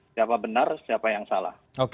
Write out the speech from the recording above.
siapa benar siapa yang salah